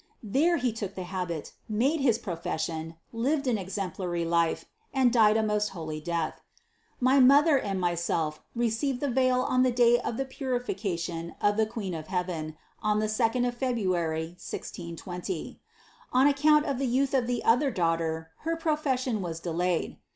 There he took the habit, made his profession, lived an exemplary life, and died a most holy death. My mother and myself received the veil on the day of the Purification of the Queen of heaven, on the second of February, 1620. On account of the youth of the other daughter her profession was delayed.